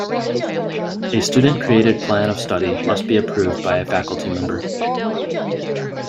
A student-created plan of study must be approved by a faculty member.